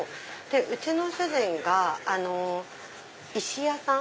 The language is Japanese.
うちの主人が石屋さん。